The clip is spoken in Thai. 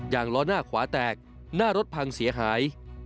ล้อหน้าขวาแตกหน้ารถพังเสียหาย